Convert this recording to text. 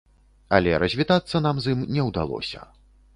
Але развітацца нам з ім не ўдалося.